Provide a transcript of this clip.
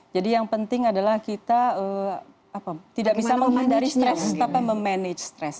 jadi yang penting adalah kita tidak bisa menghindari stress tapi memanage stress